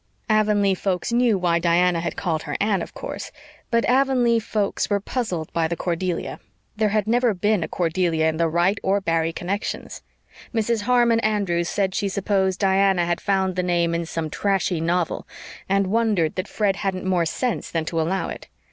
Avonlea folks knew why Diana had called her Anne, of course, but Avonlea folks were puzzled by the Cordelia. There had never been a Cordelia in the Wright or Barry connections. Mrs. Harmon Andrews said she supposed Diana had found the name in some trashy novel, and wondered that Fred hadn't more sense than to allow it.